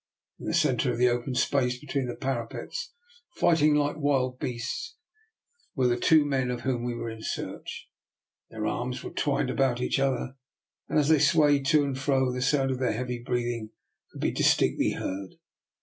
In the centre of the open space between the parapets, fighting like wild beasts, were the two men of whom we were in search. Their arms were twined about each other, and as they swayed to and fro the sound of their heavy breathing could be distinctly heard.